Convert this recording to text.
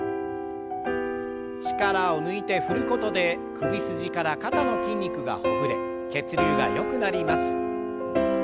力を抜いて振ることで首筋から肩の筋肉がほぐれ血流がよくなります。